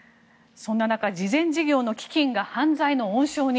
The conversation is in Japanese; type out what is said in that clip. そんな中、慈善事業の基金が犯罪の温床に。